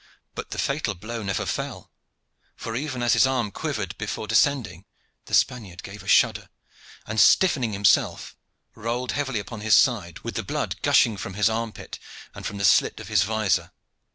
But the fatal blow never fell, for even as his arm quivered before descending, the Spaniard gave a shudder, and stiffening himself rolled heavily over upon his side, with the blood gushing from his armpit and from the slit of his vizor.